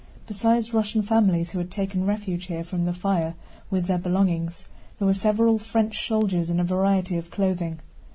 Besides Russian families who had taken refuge here from the fire with their belongings, there were several French soldiers in a variety of clothing.